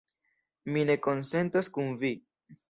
Mi ne konsentas kun vi.